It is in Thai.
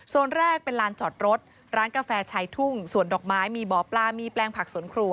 แรกเป็นลานจอดรถร้านกาแฟชายทุ่งสวนดอกไม้มีบ่อปลามีแปลงผักสวนครัว